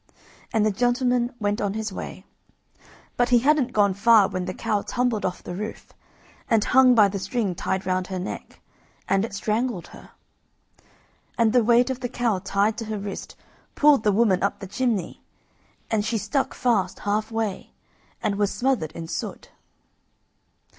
And the gentleman went on his way, but he hadn't gone far when the cow tumbled off the roof, and hung by the string tied round her neck, and it strangled her. And the weight of the cow tied to her wrist pulled the woman up the chimney, and she stuck fast half way and was smothered in the soot.